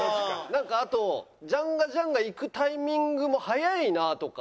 なんかあと「ジャンガジャンガ」いくタイミングも早いなとか。